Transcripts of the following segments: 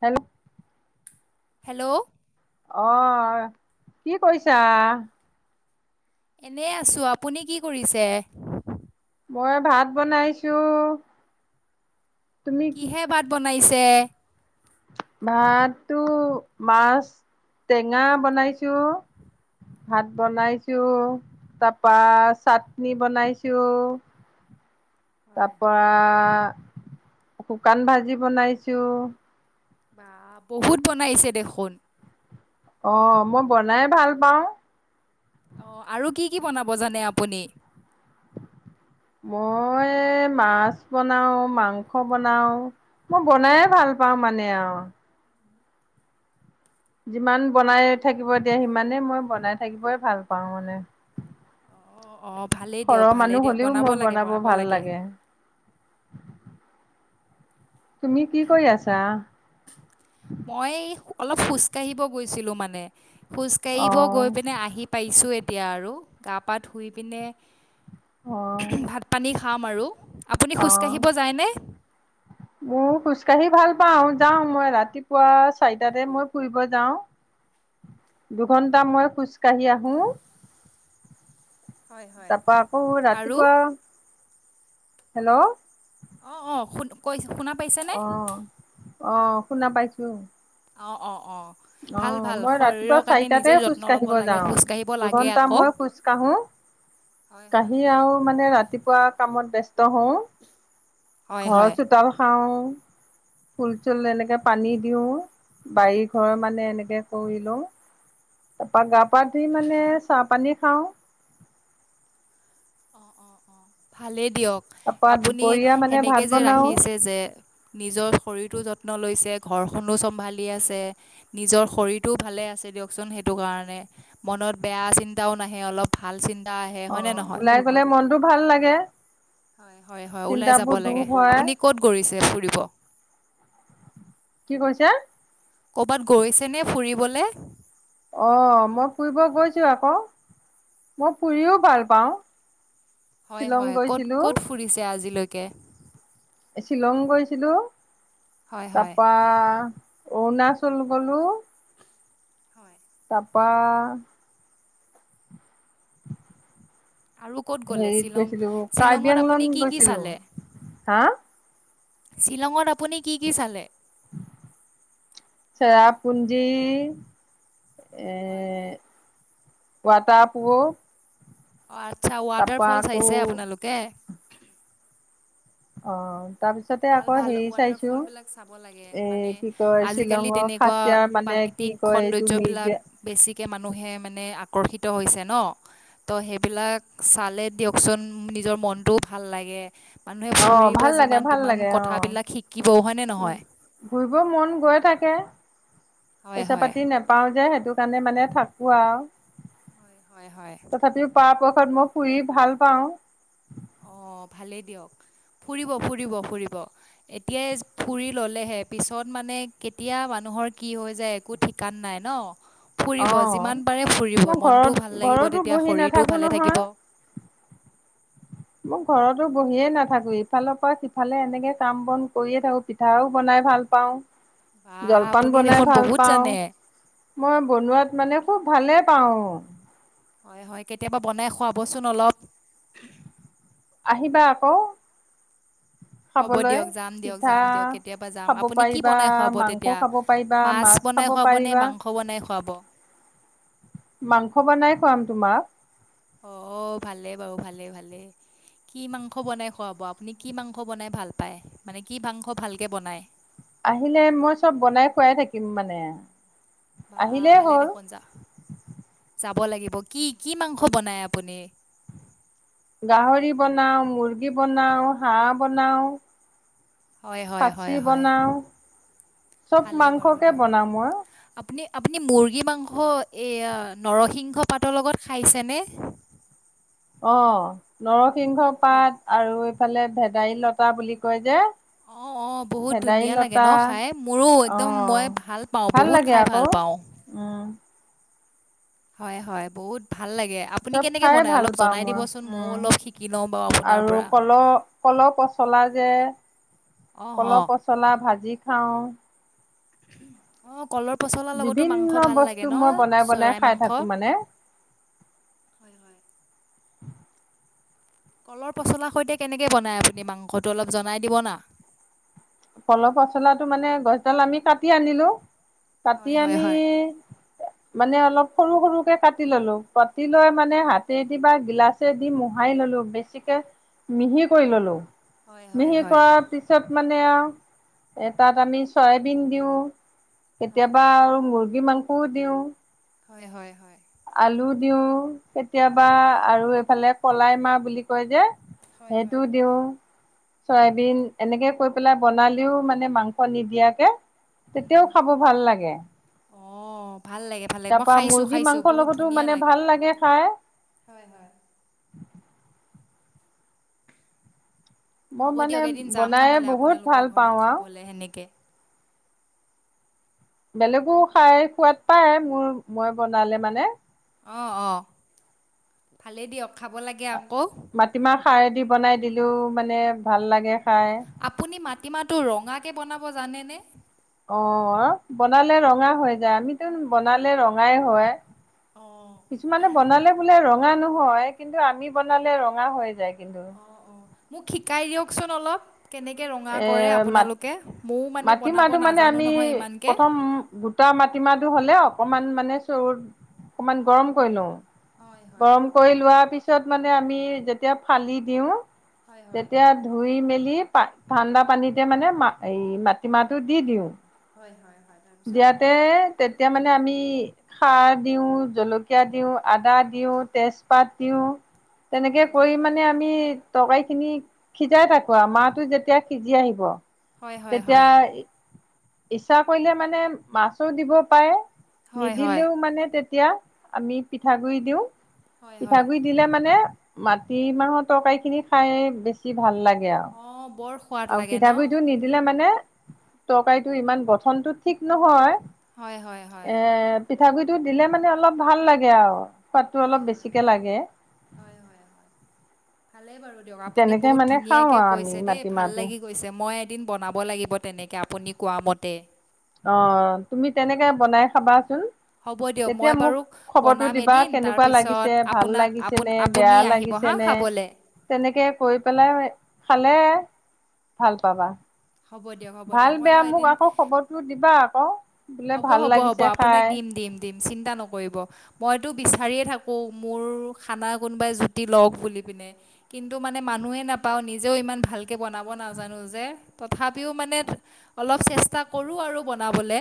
Hello hello আহ কি কৰিছা? এনে আছো। আপুনি কি কৰিছে? মই ভাত বনাইছো। তুমি কি হে বাত বন? [unintelligible] ভাতো মাছ টেঙা বনাইছোঁ ভাত বনাইছোঁ তাৰপা চাটনি বনাইছোঁ। হয় তাৰপ হয় শুকান ভাজি বনাইছো। বহুত বনাইছে দেখোন অহ মই বনাই ভাল পাওঁ অ আৰু কি কি বনাব জানে আপুনি মই মাছ বনাওঁ মাংস বনাওঁ মই বনাই ভাল পাওঁ মানে আও যিমান বনাই থাকিব দিয়া সিমানেই মই বনাই থাকিবই ভাল পাওঁ মানে অ অ ভালেই দিয়ক সৰহ ভালেই মানুহ দিয়ক হ'লেও বনাব মোৰ লাগে বনাব ভাল লাগে। তুমি কি কৰি আছা মই অলপ খোজকাাঢ়িব গৈছিলোঁ মানে। খোজকাাঢ়িব গৈ অ', পিনে আহি পাইছোঁ এ তিয়া আৰু গা পা ধুই পিনে। অহ ভাত পানী খাম আৰু আপুনি খোজকাঢ়িব যায়নে মোৰ খোজকাঢ়ি ভাল পাও যাও মই ৰাতিপুৱা চাৰিটাতে মই ফুৰিব যাও দুঘন্টা মই খোজকাঢ়ি আহো তাৰপা আকৌ আৰু ৰাতিপুৱা হেল্ল' অ অ শুন কৈছো শুনা পাইছেনে অ', অ শুনা পাইছো অ অ অ অ মই ৰাতিপুৱা চাৰিটাতে খোজ যত্ন ল'ব কাঢ়িব লাগে যাওঁ খোজকাঢ়িব লাগে দুঘন্টা আকৌ মই খোজ কাঢ়ো কাঢ়ি আৰু মানে ৰা তিপুৱা কামত ব্যস্ত হও হয় ঘৰ হয় চোতাল সাও ফুল চুল এনেকে পানী দিওঁ বাৰীত। ঘৰ মানে এনেকে কৰি লওঁ তাৰপা গা পা ধুই মানে চাহ পানী খাওঁ ভালেই দিয়ক তাৰপা আপুনি দুপৰীয়া মানে সেনেকে ভাত যে বনাও ৰাখিছে যে নিজৰ শৰীৰটো যত যত্ন লৈছে ঘৰখনো চম্ভালি আছে নিজৰ শৰীৰটো ভালে আছে দিয়কচোন সেইটো কাৰণে মনত বেয়া চিন্তাও নাহে অলপ ভাল আহে অ হয় নে নহয় ওলাই গ'লে মনটো ভাল লাগে। হয় হয় উলাই যাব চিন্তাবোৰ দূৰ লাগে হয় আপুনি ক'ত গৈছে ফুৰিব? কি কৈছে? কৰ'বাত গৈছেনে ফুৰিবলে অ মই ফুৰিব গৈছোঁ আকৌ মই ফুৰিও ভাল পাওঁ। হয় শ্বিলং হয় ক'ত গৈছিলো ক'ত ফুৰিছে আজি লৈকে শ্বিলং গৈছিলো হয় হয় তাপা অ না চল ব'লো পা আৰু ক'ত গ'লে হেৰিত শ্বিলং গৈছিলো কাৰ্বি শ্বিলঙত আংলং আপুনি কি কি গৈছিলো চালে হা শ্বিলঙত আপুনি কি কি চালে চেৰাপুঞ্জী। এ হয় পটাপ অ আচ্ছা ৱাটাৰ ফলছ চাইছে আপোনালোকে। অ তাৰপিছতে ভাল আকৌ ভাল হেৰি ৱাটাৰ চাইছো ফল বিলাক চাব লাগে এ মানে কি কয় আজিকালি শ্বিলঙৰ তেনেকুৱা খাচিয়াৰ মানে কি প্ৰাকৃতিক কয় এইটো সৌন্দৰ্য্যবলাক মিউজিয়াম বেছিক কৈ মানুহে মানে আকৰ্ষিত হৈছে ন তো সেইবিলাক চালে দিয়কচোন নিজৰ মনটোও ভাল লাগে মানুহে অ ফুৰিব ভাল লাগে যিমান ভাল তিমান লাগে অ কথাবিলাক শিকিবও হয়নে নহয় ঘুৰিব মন গৈ থাকে হয় পইচা হয় পাতি নোপাও যে সি সেইটো কাৰণে মানে থাকো আৰু হয় হয় তথাপিও পাপ ত মই শুহ ভাল পাওঁ অ' ভালেই দিয়ক ফুৰিব ফুৰিব ফুৰিব এতিয়াই ফুৰি ল'লেহে পিছত মানে কেতিয়া মানুহৰ কি হৈ যায় একো ঠিকান নাই ন অ ফুৰিব যিমান পাৰে ফুৰিব মই ঘৰত মনটোও ভাল লাগিব ঘৰতো তেতিয়া বহি শৰীৰটোও নাথাকো ভালে নহয় থাকিব। মই ঘৰতো বহিয়ে নাথাকো ইফালৰ পৰা সিফালে এনেকে কাম বন কৰিয়ে থাকো পিঠাও বনাই ভাল পাওঁ। বা জলপান আপুনি বনাই দেখোন ভাল বহুত পাওঁ জানে মই বনোৱাত মানে খুব ভালে পাওঁ হয় হয় কেতিয়াবা বনাই খুৱাবচোন অলপ আহিবা আকৌ হ'ব খাবলৈ দিয়ক যাম দিয়ক পিঠা যাম দিয়ক কেতিয়াবা যাম খাব আপুনি কি পাৰিবা বনাই খুৱাব মাংস তেতিয়া খাব পাৰিবা মাছ বনাই খাব খুৱাবনে পাৰিবা মাংস বনাই খুৱাব মাংস বনাই খাম তোমাৰ অ', ভালে বাৰু, ভালে ভালে, কি মাংস বনাই খুৱাব, আপুনি কি মাংস বনাই ভাল পায়, মানে কি মাংস ভালকে বনায়? আহিলে মই চব বনাই খুৱাই থাকিম মানে বা আহিলেই ভালে হ'ল দেখোন যা যাব ম গাহৰি বনাও, মুৰ্গী বনাও, হাঁহ বনাও। হয় হয় খাচী হয় হয় বনাওঁ চব ভালেই বাৰু মাংসকে দিয়ক। বনাওঁ মই আপুনি আপুনি মুৰ্গী মাংস এয়া নৰসিংহ পাতৰ লগত খাইছে নে? অ নৰ সিংহ হয়। পাত আৰু ইফালে ভেদাইলতা বুলি কয় যে অ', অ', বহুত ধুনীয়া লাগে ভেদাইলতা ন' খাই, মোৰো একদম মই অ' ভাল পাওঁ, বহুত লাগে খাই আকৌ ভাল পাওঁ। উম হয়, হয়, বহুত ভাল লাগে আপুনি চব কেনেকে খাইয়ে বনাই ভাল অলপ পাওঁ জনাই মই, দিবচোন ময়ো উম অলপ শিকি লওঁ বাৰু আপোনাৰ আৰু পৰা। কলৰ-কলৰ পচলা যে অহ অ কলৰ পচলা ভাজি অঁ অঁ কলৰ পচলাৰ লগতো মাংস বিভিন্ন ভাল লাগে বস্তু ন মই বনাই-বনাই চৰাই খাই মাংস থাকো মানে। [inaudible] কলৰ পচলাৰ সৈতে কেনেকে বনাই আপুনি মাংসটো অলপ জনাই দিব না। কলৰ পচলাটো মানে গছডাল আমি কাটি আনিলো কাতি হয় হয় আনি হয় মানে অলপ সৰু সৰুকে কাটি ললো, কাটি লৈ মানে হাতেদি বা গিলাচেদি মোহাৰি ল'লো বেছিকে মিহি কৰি ললো। মিহি কৰা পিছত মানে আৰু এ তাত আমি চয়াবিন দিওঁ। কেতিয়াবা আৰু মুৰ্গী মাংসও দিওঁ। হয়-হয়। আলু দিওঁ। কেতিয়াবা আৰু এইফালে কলাই মাহ বুলি কয় যে হয় হয় সেইটো হয় দিওঁ। চয়াবিন এনেকে কৈ পেলাই বনালেও মানে মাংস নিদিয়াকে তেতিয়াও খাব ভাল লাগে। অঁ ভাল লাগে ভাল লাগে তাৰ মই পৰা খাইছো মুৰ্গী খাইছো, মাংসৰ বহুত লগতো ধুনীয়া মানে লাগে। ভাল খাই হয় হয়। মই হ'ব মানে দিয়ক এদিন যাম বনাই নহ'লে বহুত ভাল আপোনালোকৰ পাওঁ ঘৰত আৰু। খাবলে সেনেকে। বেলেগো খাই সোৱাদ পায় মোৰ মই বনালে মানে। অ', অ', ভালেই দিয়ক, খাব লাগে আৰু মাটিমাহ খাৰ দি বনাই দিলেও মানে ভাল লাগে। খাই। আপুনি মাটিমাহটো ৰঙাকে বনা ব জানে নে। অঁ বনালে ৰঙা হৈ যায়, আমিতো বনালে ৰঙাই হয়। অঁ কিছুমানে বনালে বোলে ৰ ৰঙা নহয় কিন্তু আমি বনালে ৰঙা হৈ যায় কিন্তু। অ অ মোক শিকাই দিয়কচোন অলপ কেনেকৈ ৰঙা এ কৰে মাট আপোনালোকে ময়ো মানে বনাব মাটিমাহটো মানে নাজানো আমি নহয় ইমানকৈ প্ৰথম গোটা মাটিমাহটো হ'লে [unintelligible] অকণমান মানে চৰুত অকণমান গৰম কৰি লওঁ। হয় হয় গৰম কৰি লোৱা পিছত পিছত মানে আমি যেতিয়া ফালি দিওঁ হয় হয় তেতিয়া ধুই মেলি কি পায় ঠাণ্ডা পানীতে মানে ম এই মাটিমাহটো দি দিওঁ হয়, হয় হয় তাৰপিছত দিয়াতে তে তেতিয়া মানে আমি সাৰ দিওঁ, জলকীয়া দিওঁ, আদা দিওঁ, তেজপাত দিওঁ তেনেকে হয় কৰি হয় মানে আমি তৰকাৰীখিনি সিজাই থাকো আৰু [unintelligible] টো যেতিয়া সিজি আহিব [unintelligible] হয় হয় তেতিয়া হয় ইচ্ছা কৰিলে মানে মে মাছো দিব পাৰে হয় হয় নিদিলেও মানে তে তেতিয়া আমি পিঠাগুৰি দিওঁ হয় হয় পিঠাগুৰি দিলে মানে মাটি মাহৰ তৰকাৰী খিনি খাই বেছি ভাল লাগে গে আৰু অঁ বৰ সোৱাদ আৰু লাগে ন পিঠাগুড়িটো নিদিলে মানে তৰকাৰীটো ইমান গঠনতো ঠিক নহয় হয়, হয়, হয় পিঠাগু়ৰীটো দিলে মানে অলপ ভাল লাগে আৰু পোৱাতটো হয় হয় অলপ বেছিকে লাগে হয় হয় ভালেই বাৰু দিয়ক আপুনি তেনেকে বহুত মানে খাওঁ ধুনীয়াকে আৰু আমি কৈছে দেই ভাল মাটিমাহটো। লাগি কৈছে মই দিন বনাব লাগিব তেনেকে আপুনি কোৱা মতে অ তুমি তেনেকে বনাই খাবাচোন হ'ব দিয়ক তেতিয়া মই মোক বাৰু খবৰটো বনাম দিবা এদিন কেনেকুৱা তাৰপিছত লাগিছে ভাল আপোনাক লাগিছে আপোন নে, আপুনি বেয়া আহিব লাগিছে হা নে, খাবলৈ তেনেকে কৈ পেলাই [unintelligible] খালে ভাল পাবা হ'ব দিয়ক হ'ব দিয়ক ভাল মই বেয়া বাৰু মোক এদিন আকৌ খবৰটো দিবা আকৌ বোলে হ'ব ভাল হ'ব হ'ব লাগিছে আপোনাক খাই দিম দিম দিম চিন্তা নকৰিব মই [unintelligible] বিচাৰিয়ে থাকো মোৰ খানা কোনোবাই জুতি লগ বুলি পিনে কিন্তু মানে মানুহে নেপাওঁ নিজেও ইমান ভাল কে বনাব নাজানো যে তথাপিও মানে অলপ চেষ্টা কৰোঁ আৰু বনাবলে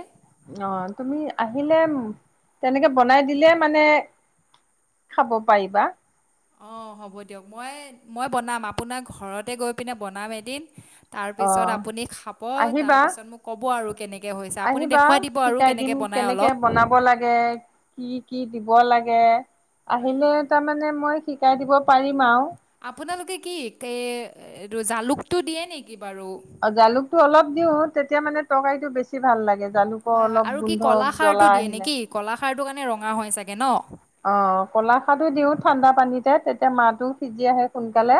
অ তুমি আহিলে তেনেকে বনাই দিলে মানে খাব পাৰিবা অ হ'ব দিয়ক মই মই বনাম আপোনাৰ ঘৰতে গৈ পিনে বনাম এদিন তাৰ অ পিছত আপুনি খাব আহিবা তাৰপিছত মোক ক'ব আৰু কেনেকৈ হৈছে আপুনি আহিবা দেখুৱাই দিব আৰু শিকাই কেনেকৈ দিম বনাই কেনেকে অলপ বনাব লাগে কি কি দিব লাগে আহিলে তামানে মই শিকাই দিব পাৰিম আৱ আপোনালোকে কি এ এটো জালুকটো দিয়ে নেকি বাৰু অ', জালুকটো অলপ দিওঁ তে তেতিয়া মানে তৰকাৰীটো বেছি ভাল লাগে জালুকৰ হয় হয় অলপ গোন্ধ জ্বলা আহিলে খাৰটোৰ কাৰণে ৰঙা হৈ চাগে ন আহ কলাখাৰতো দিও ঠাণ্ডা পানীতে তেতিয়া মাহটো সিজি আহে সোনকালে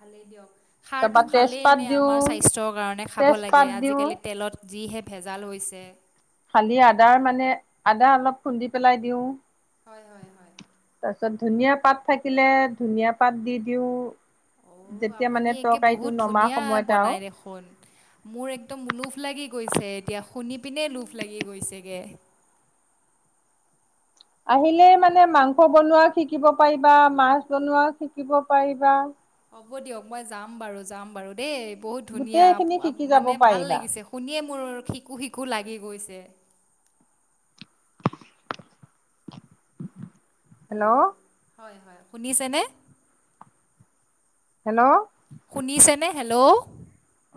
ভালেই দিয়ক তাৰপা খাৰটো ভালেই তেজপাত এনে দিওঁ আমাৰ স্বাস্থ্যৰ কাৰণে খাব লাগে তেজপাত দিওঁ আজিকালি তেলত যিহে ভেজাল হৈছে। খালি আদাৰ মানে আদা অলপ খুন্দি পেলাই দিওঁ। তা তাত ধুনীয়া পাত থাকিলে ধুনীয়া পাত দি দিওঁ অ যেতিয়া আপুনি মানে একে তৰকাৰীটো বহুত নমা ধুনীয়া সময়ত আৰু বনাই দেখোন মোৰ একদম লোভ লাগি গৈছে এতিয়া শুনি পিনে লোভ লাগি গৈছেগে আহিলেই মানে মাংস বনোৱা শিকিব পাৰিবা মাছ বনোৱা শিকিব পাৰিবা হ'ব দিয়ক, মই যাম বাৰু, যাম বাৰু দেই বহুত ধুনীয়া গোটেইখিনি আ শিকি যাব মানে ভাল পাৰিবা লাগিছে শুনিয়ে মোৰ শিকো শিকো লাগি গৈছে হেল্ল' হয় হয় শুনিছেনে হেল্ল' শুনিছেনে? হেল্ল'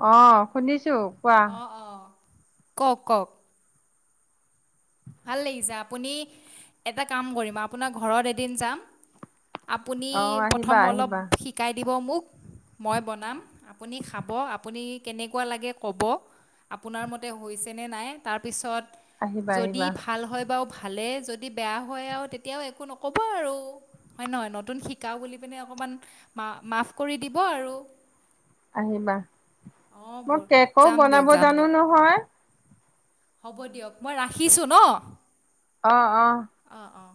অ', শুনিছোঁ কোৱা কওঁক কওঁক ভাল লাগিছে, আপুনি, এটা কাম কৰিম আপোনাৰ ঘৰত এদিন যাম আপুনি অ প্ৰথম আহিবা অলপ আহিবা শিকাই দিব মোক মই বনাম আপুনি খাব আপুনি কেনেকুৱা লাগে ক'ব, আপোনাৰ মতে হৈছেনে নাই, তাৰপিছত আহিবা যদি আহিবা। ভাল হয় বাৰু ভালে যদি বেয়া হয় আৰু তেতিয়াও একো নক'ব আৰু হয় নহয় নতুন শিকাৰু বুলি পিনে অকমান মাফ কৰি দিব আৰু আহিবা। অঁ ব মই কেকও যাম দিয়ক বনাব যাম জানো দিয়ক নহয়। হ'ব দিয়ক মই ৰাখিছো ন। অঁ অঁ অঁ অঁ